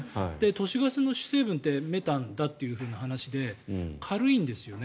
都市ガスの主成分ってメタンだって話で軽いんですよね。